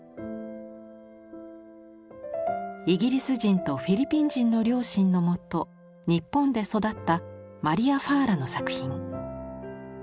イギリス人とフィリピン人の両親のもと日本で育ったマリア・ファーラの作品。